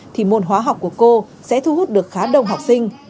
thì môn hóa học của cô sẽ thu hút được khá đông học sinh